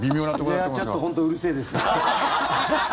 いやあちょっと本当にうるせえです。